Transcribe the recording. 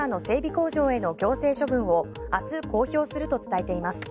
工場への行政処分を明日、公表すると伝えています。